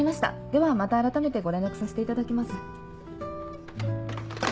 ではまた改めてご連絡させていただきます。